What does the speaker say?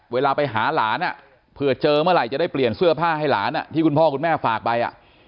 เวลาไปหาหลานเผื่อเจอเมื่อไหร่จะได้เปลี่ยนเสื้อผ้าให้หลานที่คุณพ่อคุณแม่ฝากไป